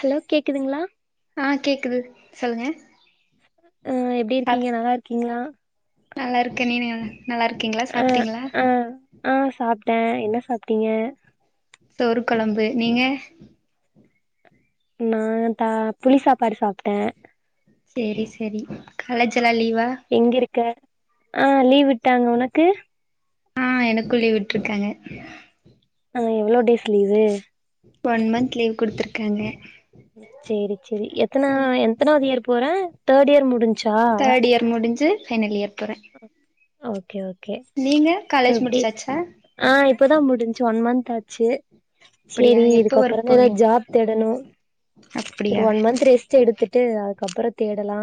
hello கேக்குதுங்களா ஆ கேக்குது சொல்லுங்க ஆஹ எப்டி சாப் இருக்கீங்க நல்லா இருக்கீங்களா நல்லா இருக்க நீநீயு நல்லா இருக்கீங்களா சாப்பிட்டீங்களா ட என்ன சாப்ட்டிங்க தோறு கொழம்பு நீங்க நா தா புளி சாப்பாடு சாப்ட்ட சேரி சேரி கலேஜ்லா லீவா எங்க இருக்க ஆ லீவ் விட்டாங்க உனக்கு ஆ எனக்கு லீவ் விட்ருக்காங்க ஆ எவ்ளோ days leave one month leave குடுத்துருக்காங்க சேரி சேரி எத்தன எத்தனாது இயர் போற தேடியர் முடிஞ் தேட் இயர் முடிஞ்சு ஃபைனல் இயர் போறே ஓகே ஓ கே நீங்க இப்ப காலேஜ் எப்டி முடிச்சாச்சா ஆ இப்பதா முடிச் ஒன் மந்த் தாச்சு அப்டியா சேரி எப்ப ஒர்க் இதுக்கப்றந்தா போவீங்க எதாது ஜாப் தேடணு ஒரு அப்டியா ஒன் மந்த் ரெஸ்ட் எடுத்து ட்டு அதுக்கப்றம் தேடலா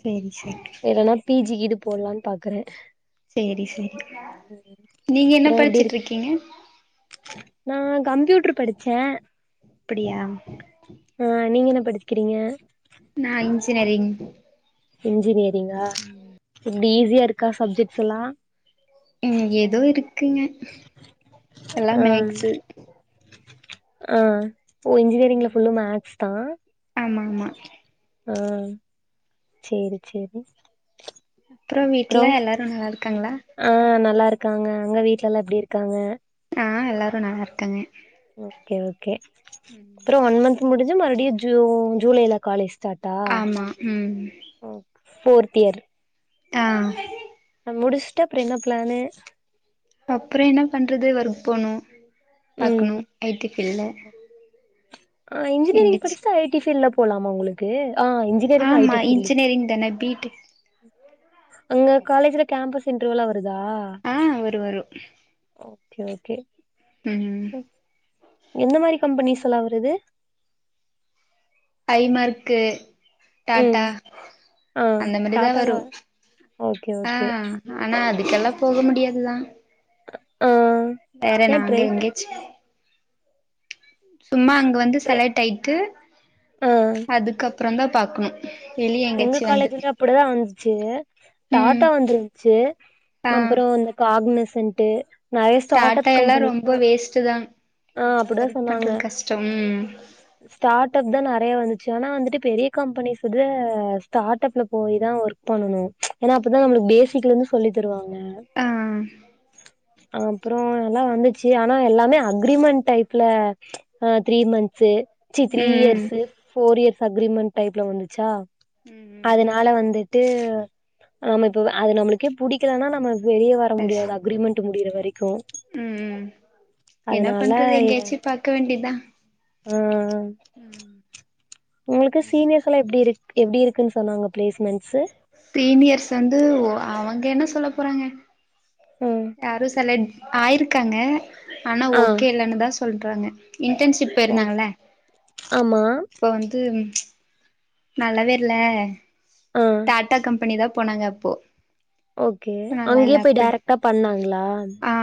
சேரி சேரி போட்லான் பாக்குறே சேரி சேரி நீங்க என்ன அப்புற எப்டி இருக்கு படிச்சிட்ருக்கிங்க நா கம்ப்யூட்ரு படிச்சே அப்புடியா ஆ நீங்க என்ன படிக்றிங்க நா இன்ஜினரிங் இன்ஜினியர் அப்டியா எப்டி ஈஸியாருக்கா சப்ஜெக்ட்ஸ் எல்லா க்குங்க எல்லா ஆ மேக்ஸு ஆ ஓ இன்ஜினியரிங்ல ஃபுல்லூ மேக்ஸ் தா ஆமா ஆமா ஆ சேரி சேரி அப்றோ வீட்ல எல்லாரு நல்லாருக்காங்ளா க்காங்க அங்க வீட்ல எல்லா எப்டி இருக்காங்க ஆ எல்லாரு நல்லாருக்காங்க ஓகே ஓகே ம் முடிஞ்ச மறுப்டியு ஜூன் ஜூலைல காலேஸ் சாட்டா ஆமா ம் ஃபோர் தியர் ஆ முடிச்ட்டு அப்றோ என்னா பிளான்னு அப்றோ என்னா பண்றது ஒர்க் போனோ ம் பாக்குணு ஐ டி இல்ல ஆ இன்ஜினியரிங் படிச்ட்டு ஐ டி ஃபீல்ட்ல போலாமா உங்குளுக்கு ஆமா இன்ஜினியரிங் தானே பி டெக் அங்க காலேஜ்ல கேம்பஸ் இன்டர்வியூலா வ ருதா ஆ வரு வரு கே ஓகே ம் என்ன மாரி கம்பனீஸ் எல்லா வருது டைமர்க்கு டாடா ம் ஆ அந்த மாடித்தா டாட்டால வரு ஓகே ஆ ஓகே ஆனாது கெல்லா போக முடியாதுதா அக்ஆ வேற நா அங்க எங்கேச்சு சும்மா அங்க வந்து ட்ரை செலக்ட் ஆயிட்டு ஆ அதுக்கப் பறந்தா பாக்ணு எங்க காலேஜ்சுல்லியு அப்படதா வந்துச்சு ம் டாடா வந்துருந்துச்சு அப்புறோ அந்த காக்னிஸ் சென்ட்டு டாடா எல்லா ரொம்ப வேஸ்ட்டுதா ஆ அப்டிதா சொன்னாங்க ஸ்டார்ட்அப்தா நெறைய வந் சு ஆனா வந்துட்டு பெரிய கம்பனீஸ்சுதுல ஸ்டார்ட்அப்ல போயிதா ஒர்க் பண்ணணு ச்ச ஏனா அப்பதா நம்ளுக்கு பேசிக்லந்து சொல்லி தருவாங்க ஆ ஆம்புறோ நல்லா வந்துச்சு ஆனா எல்லாமே அ க்ரிமெண்ட் டைப்ல ச்ச அ த்ரீ மந்த் சே ச்சி த்ரீ ம் ஈயர்ஸ்சு ஃபோர் ஈயர்ஸ் அக்ரிமெண்ட் டைப்ல வந்துச்சா ம் ம் அதுனால வந்து ட்டு இப்ப அது நம்ளுக்கே புடிக்கலனா நம்ப வெளிய வர எஸ் முடியாது அக்ரிமெண்ட் முடியிற வரைக்கு ம் ம் என்ன அதனால பண்றது எங்யாச்சு பாக்க வேண்டி தா ம் ஒங்ளுக்கு சீனியர்ஸ் எல்லா எப்டி இருக் எப்டி இருக்குன்னு சொன்னாங்க பிளேஸ்மெண்ட்ஸ் சார் சீனியர்ஸ் வந்து அவங்க என்ன சொல்ல போறாங்க ம் யாரு சொன்ன ஆயிருக்காங்க ஆனா ஆ ஓகே இல்லன்னுதா சொல்றாங்க இன்டன்ஷிப் ஓ பெய்ருந்தாங்கல்ல ஆமா அப்போ வந்து ம்ச் நல்லாவே இல்ல ஆ டாட்டா கம்பெனி தா போனாங்க இப்போ ஓகே அங்கயே போய் டேரெட்டா ஆ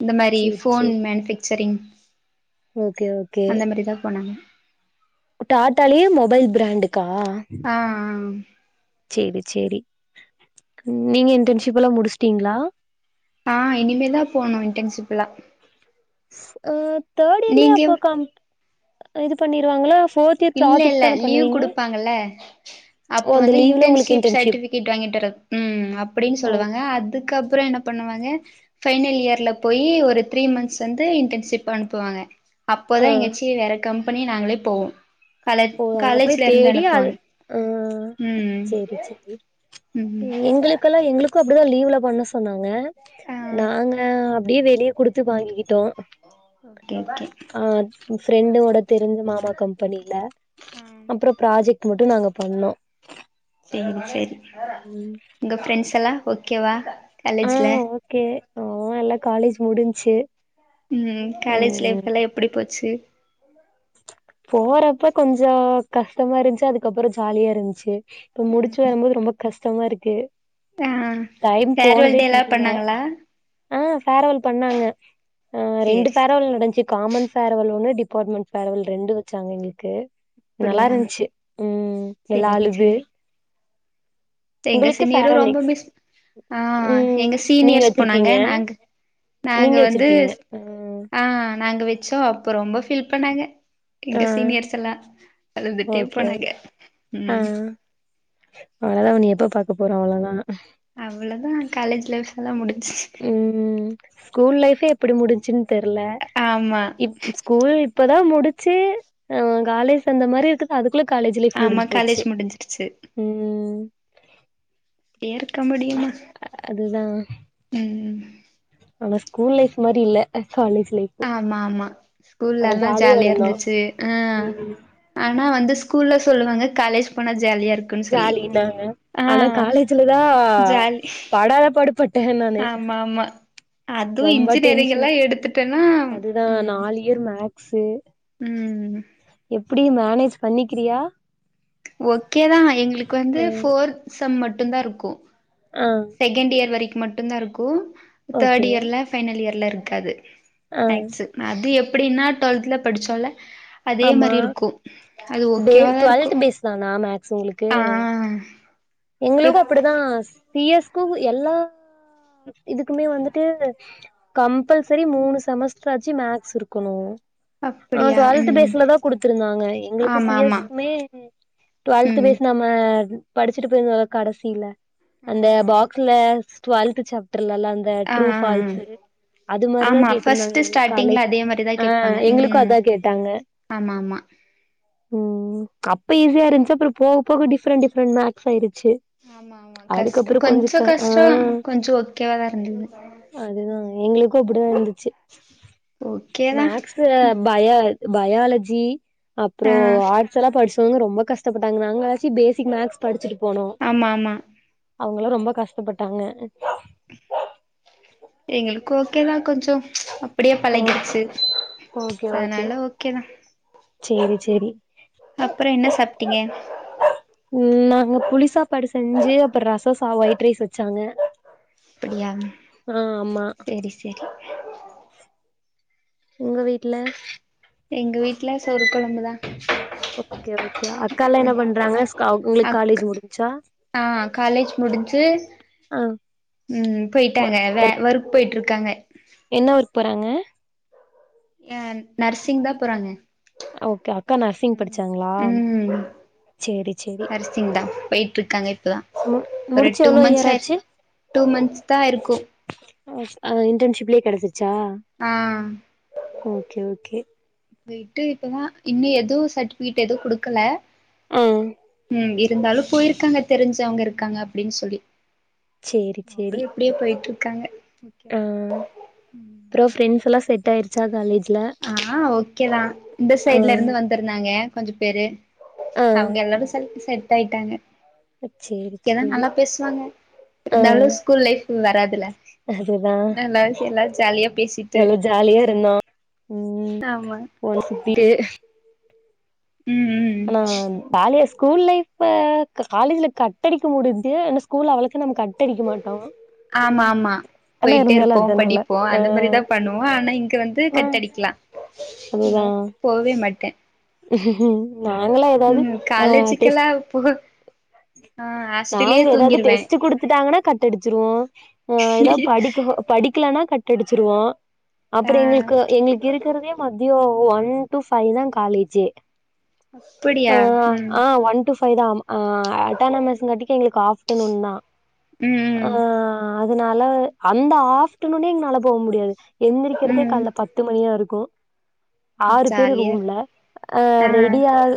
இந்த மாரி சேரி ஃபோன் சேரி மேனிபெக்ட் சரிங் ஓகே ஓகே டாடாலயு மொபைல் பிராண்டு க்கா ஆ சேரி சேரி நீங்க இன்டன்ஷிப்பெல்லா முடிச்சுடீங்ளா ஆ இனிமேதா போனோ இன்டன்ஷிப்லா ஆப் தேட் இயர்லயே எப்பகம்ப் இது பண்ணிருவாங்களா ஃபோர்த் இயர் இல்ல ப்ராஜெக்ட் இல்ல தான லீவ் பண்ணுவீங்க குடுப்பாங்கல ஓ அப்போ அந்த வந்து லீவ்ல உங்களுக்கு இன்டன்ஷிப் இன்டர்ன்ஷிப் சர்ட்டிவிகேட் வாங்கிட்டு வரோம் ம் அப்டின்னு சொல்லுவாங்க ஓகே அதுக்கு அப் அப்றோ என்ன பண்ணுவாங்க ஃபைனல் இயர்ல போயி ஒரு த்ரீ மந்த்ஸ் வந்து இன்டன்ஷிப் அனுப்புவாங்க ஆ அப்போதா எங்கயாச்சி வேற கம் பண்ணி நாங்களே போவோ காலேஜ் ஓ அங்க போய் காலேஜ்ல இருந்து தேடி அது அனுப்புவாங்க ஆ ம் சேரி சேரி ம் எங்களுக்கல்லா எங்களுக்கு அப் அப்டிதா லீவ்ல பண்ண சொன்னாங்க ஆ நாங்க அப்டியே வெளிய குடுத்து வாங்கிக்கிட்டோ ஓகே ஓகே ஆ ஃப்ரெண்டோட தெரிஞ்ச மாமா கம்பனில ம் பண்ணோ சேரி சேரி ம் உங்க ஃப்ரெண்ட்ஸ் எல்லா ஓகேவா காலேஜ்ல ஓ எல்லா காலேஜ் முடிஞ்ச்சு ம் காலேஜ் லைஃப் ம் எல்லா எப்புடி போச்சு போற ப்ப கொஞ்சோ கஷ்டமா இருந்ச்சு அதுக்கப்றோ ஜாலியா இருந்ச்சு இப்ப முடிச்சு ம் வரம்போது ரொம்போ கஸ் தமா இருக்கு ஆ டைம் ஃபேர்வெல் போனதே டேலா தெர்ல பண்ணாங்களா ஆ ஃபேரவல் பண்ணாங்க ஆ ரெண்டு சேரி சே ஃபேரவல் நடந்ச்சு காமன் ஃபேரவல் ஒன்னு டிப் போர்மண் ஃபேரவல் ரெண்டு வச்சாங்க எங்ளுக்கு அப்டியா நல்லாருந்ச்சு ம் எல்லா சேரி அழுது சேரி எங்க உங்களுக்கு சீனியரு ஃபேர்வெல் ரொம்ப நெக்ஸ் மிஸ் ஆ ம் எங்க நீங்க சீனியர்ஸ் போனாங்க வச்சிருப்பீங்க நாங் நாங்க நீங்க வந்து வச்சிருப்பீங்க ம் ஆ நாங்கவே சோ அப்ப ரொம்ப ஃபீல் பண்ணாங்க ஆ எங்க சீனியர்ஸ் எல்லா அழுதுட்டே ஓகே போனாங்க ஓகே ஆ ம் அவ்ளோதா ஒன்னி எப்ப பாக்க போறோ அவ்ளோ தா அவ்வுளதா காலேஜ் லைஃப் எல்லா முடி ம் ஸ்கூல் லைஃப் பே எப்புடி முடிஞ்சின் தெர்ல ஆமா இப் ஸ்கூல் இப்ப தா முடிச்சி அ காலேஜ் சேந்த மாரி இருக்குது அதுக் குள்ள காலேஜ் லைஃப் ஆமா முடிஞ்சு போச்சி காலேஜ் முடிஞ்சிருச்சு ம் ஏற்க முடியுமா அதுதா ம் ஆனா ஸ்கூல் லைஃப் மாரி இல்ல காலேஜ் லைஃபு ஆமா ஆமா ஸ்கூல்லல்லா ஜாலியா இருந்துச்சு ஆ ம் ஆனா வந்து ஸ்கூல்ல சொல்லுவாங்க காலேஜ் போனா ஜாலியா இருக்குன்னு சொல்லி ஜாலி தாங்க ஆ ஆனா காலேஜ்லதா ஜாலி படாத பாடுபட் டே நானு அது ரொம்ப இன்ஜினியரிங் டென்ஷனு எல்லா எடுத்துட்டேன்னா ம் ஸு ம் ம் எப்டியு மேனேஜ் பண்ணிக்கிறியா ஓக்கே தா எங்களுக்கு வந்து ஆ ஃபோர்த் செம் மட் டுந்தாருக்கு ஆ செக்கெண்ட் இயர் வரிக் மட்டுந்தா இருக்கு தேர்டு ஓகே இயர்ல ஃபைனல் இயர்ல இருக் காது ஆ மேக்ஸு அது எப் டின்னா டுவெல்த்ல படிச்சோல்ல அதே ஆமா மாரி இருக்கு அது ஓக்கேவாதா இருக்கு நா மேக் சு உங்களுக்கு ஆ எங்களுக்கு எப் அப்படிதா ஸ் சி எஸ்க்கு எல்லா இதுக்குமே வந்துட்டு கம்பல்செரி மூணு செமஸ்டராச்சு மேக்ஸ் இருக்கணு ஆ அப்டியா டுவெல்த் ம் பேஸ்ல தா குடுத்துருந்தாங்க எங்களுக்கு சி ஆமா ஆமா எஸ் குமே டுவெல்த் ம் பேஸ் நம்ம படி ச்சிட்டு போய்ருந்தோல்லா கடசீல அந்த ம் ம் பாக்ஸ்ல டுவெல்து சேப் ட்ர்லலா அந்த ஆ ட்ரூ ஆ ஆ ஃபால்ஸூ அது மாரிதா ஆமா கேட்ருந்தாங்க ஃபர்ஸ்ட்டு எங்களுக்கு ஸ்டார்டிங்ல காலேஜ்ல அதே மாரிதா ஆ கேப்பாங்க எங்களுக்கு ம் அதா கேட்டாங்க ஆமா ஆமா ம் அப் இப்ப ஈஸியா இருன்ச்சு அப்புறொ போக போக டிஃப்ரண்ட் டிஃப்ரண்ட் மேக் சேரித் சு ஆமா ஆமா கஷ்ட அதுக்கப்புறொ கொஞ்சொ கொஞ்ச க ஆ கஷ்ட கொஞ்ச ஓகேவாதா இருந்தது அதுதா எங்களுக்கு அப்டித்தா இருந்துச்சு ஓகேதா மேக்ஸ்ஸயா பயொ பயாலஜி அப்புறோ ஆ ஆர்ட்ஸ் எல்லா படிச்சு எங்க ரொம்ப கஷ்டப்பட்டாங்க நாங்ளாச்சி ஃபேசிக் மேக்ஸ் படிச்சிட்டு ஆம்மா ஆம்மா அவ்ங்களா ரொம்ப கஷ்டப்பட்டாங்க எங்களுக்கு ஓகேதா கொஞ்சோ அப்டியே ஓ பழகிடுச்சு அனால ஓகே தா சேரி சேரி அப்புற என்ன சாப்ட்டீங்க ம் நாங்க புளிசாப்பாடு செஞ்சு அப்றோ ரச சா ஒயிட் ரைஸ் வச்சாங்க அப்படியா ஆ ஆமா சேரி சேரி உங்க வீட்ல எங்க வீட்ல சோறு கொழம்பு தா ஓகே ஓகே அக்கா ல என்ன பண்றாங்க ஸ்கா ஒங்களுக் அக் காலேஜ் முடிஞ்ச்சி ஆ காலேஜ் முடிஞ்சு ஆ ஒர்க் ஒர்க் கங்க என்ன ஒர்க் போறாங்க ஆ நர்சிங் தா போறாங்க ஓகே அக்கா நர்சிங் படிச்சாங்களா ம் சேரி சேரி நர்சிங் தா போயிட்டு இருக்காங்க இப்பதா மு ஒரு முடிச்சு டூ எவ்ளோ இயர் மந்த்ஸ் ஆ ஆச்சு டூ மந்த்ஸ் தா இருக்கு ஆ ஆ இன்டன்ஷிப்லே கெடசிருச் சா ஆ ஓகே ஓகே போய்ட்டு இப்பதா இன்னு எதுவு சர்ட்டிபிகேட் எதுவு குடுக்கல ஆ ம் இருந்தாலு போயிருக்காங்க தெரிஞ்சவங்க இருக்காங்க அப்டின் சொல்லி சேரி சேரி அவங்களு எப்டியோ போயிட்டு இருக்காங்க ஓகேதா ஆ அப்பறோ ஃபிரெண்ட்ஸ்ல்லா செட் ஆயிருச்சா காலேஜ் ஆ ஓகேதா இந்த ஆ சைட்ல இருந்து வந்துருந்தாங்க கொஞ்சோ பேரு ஆ அவுங்க எல்லாரு செல்பிஸ் செட்டாயிட்டாங்க சேரி இங்க எல்லா சேரி நல்லா பேசுவாங்க ஆ இருந்தாலு ஸ்கூல் லைஃப் வராதுல்ல அதுதா நல்லா எல்லா ஜாலியா பேசிட்டு எவ்ளோ ஜாலியா இருந்தோ உம் ஆமா ஒன் சுத்திட்டே ம் ம் ஆனா காலேஸ் கூல் லைஃப்ப காலேஜ்ல கட்டடிக்க முடியுது ஆன்னா ஸ்கூல் அவளக் ஆம்மா ஆம்மா ஆனா போயிட்டே இருந்தாலு அதா இருப்போம் நல்லா படிப்போம் அந்த மாரிதா ஆ பண்ணுவோ ஆனா இங்க வந்து கட்டடிக்லா அதுதா அத போவே மாட்ட நாங்களா எதாவது ம் அ டெஸ் காலேஜுக்கெல்லா போ ஆ ஹாஸ்டலயே நாங்க எதாவது தூங்கிருவே டெஸ்டு குடுத்துட்டாங்கன்னா கட்டடிச்சிருவோ ஆ எதா படிக்கஹோ படிக் கலனா கட்டடிச்சிருவோ ஆ அப்புற எங்களுக்கு எங்களுக்கு இருக்கிறதே மத்தியோ ஒன் டு ஃபைதா காலேஜே அப்புடியா ம் ஃபைதா ஆமா அ அட் டானமஸ் காட்டிக்கு எங்களுக்கு ஆப்டநூன் தா அ ம் ம் அதனால அந்த ஆப்டநூனே எங்கனால போக முடியாது எந்திரிக்கிறதே ம் காலலே பத்து மணியா இருக் கு ஆறு பேரு ஜாலியா ரூம்ல ஆ ரெடியாஹ்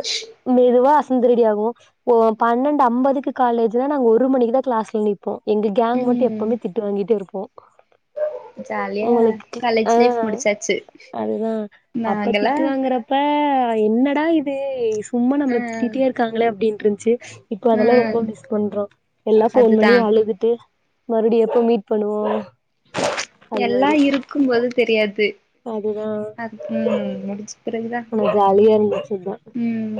மெதுவா எழுந்து ரெடி ஆகுவோ ஓ பன்னெண்ட் டு அம்பதுக்கு காலேஜ்னா நாங்க ஒரு மணிக்கு தா கிளாஸ்ல நிப்போ எங்க கேங் மட்டு ம் எப்பவ்மே திட்டு வாங்கிட்டே இருப்போ ஜாலியா உங்களுக் காலேஜ் அ லைஃப் முடிச்சாச்சு அதுதா அப்ப நாங்கல்லா திட்டு வாங்கறப்ப அ என்னடா இது சும்மா ஆ நம்ள திட்டிட்டே இருக்காங்களே அப்டின் ருன்ச்சி இப்போ அதெல்லா ரொம்ப ம் மிஸ் பண்றோ எல்லா ஃபோன் அதுதா பண்ணி அழுதுட்டு மறுடி எப்போ மீட் பண்ணுவோ அது எல்லா மாரி இருக்கும் போது தெரியாது அதுதா அது ம் முடிச்ச பிறகுதா ஆனா ஜாலியா இருந்துச்சு அதா ம்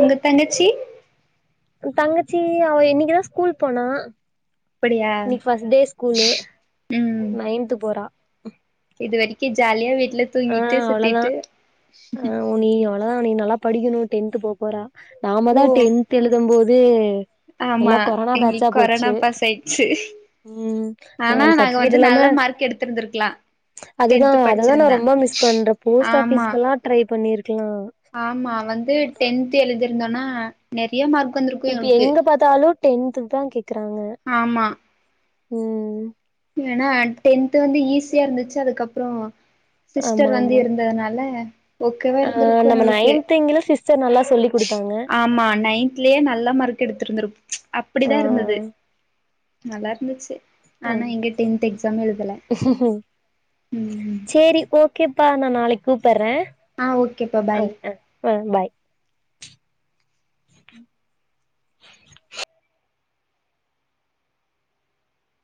உங்க தங்கச்சி தங்கச்சி அவ இன்னைக்குதா ஸ்கூல் போனா அப்டியா இன்னைக்கு ஃபர்ஸ்ட் டே ஸ்கூலு ம் நயன்த் போ போறா இது வரைக்கும் ஜாலியா வீட் ட்ல ஆ தூங்கிட்டு அவ்ளோதா சுத்திட்டு ஆ உ நீ அவ்ளோ மா நீ நல்லா படிக்கணும் டென்த்து போப்போறா நாம ஓ தான் டென்த்து எலுதம் போது து ஆமா எங்களுக்கு கொரானா பாஸ் ஆயிடுச்சு ம் ஆ ஆனா நாங்க சர்டிபிகேட் வந்து இல்லாம நல்ல மார்க் எடுத்திருந்திருக்கலாம் அதுதா டென்த்து அததா நா படிச்சிருந்தா ரொம்ப மிஸ் பண்றே போஸ்ட் ஆமா ஆபீஸ்கெல்லா ட்ரை பண்ணிருக்கலா ஆமா வந்து டென்த்து எலுதி இருந்தோம்னா நெறயா மார்க் வந்திருக்கு இப்ப எங்களுக்கு எங்க பாத்தாலும் டென்த்து தான் கே ஆமா ம் ஈசியா இருந்துச்சு அதுக்கப்புறம் ஆமா சிஸ்டர் வந்து ஆமா இருந்ததுனால ஓகவா ஆ இருந்திருக்கும் நம்ம எங்களுக்கு நைன்த் இங்கிலு சிஸ்டர் நல்லா சொல்லி குடுத்தாங்க ஆமா நைன்துலயே நல்ல மார்க் எடுத்து திருந்துரு ஆ அப்படிதான் இருந்தது நல்லா இருந்துச்சு ஆ ஆனா எங்க ஓகே டென்த் எக்ஸாம் எழுதல ம் சேரி ஓகேப்பா நான் நாளைக் கூப்பறன் ஆ ஓகேப்பா ஆ பாய் ஆ ஆ பாய்